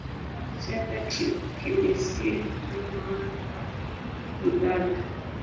Chembe kimbisie ndovu mwana paa huthathaa